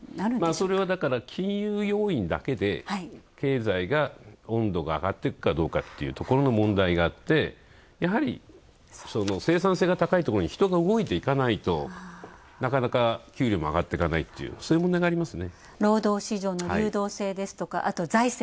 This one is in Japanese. それは、金融要因だけで経済が温度が上がっていくかどうかというところの問題があって、やはり生産性が高いところに人が動いていかないと、なかなか給料も上がっていかないというそういう問題がありますね。